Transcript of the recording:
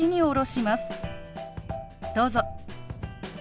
どうぞ。